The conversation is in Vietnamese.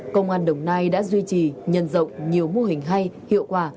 công an đồng nai đã duy trì nhân rộng nhiều mô hình hay hiệu quả